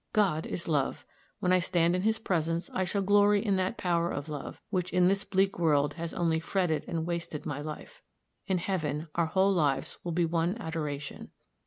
God is love. When I stand in his presence, I shall glory in that power of love, which in this bleak world has only fretted and wasted my life. In heaven our whole lives will be one adoration."